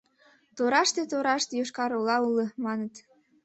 Тораште-тораште Йошкар-Ола уло, маныт.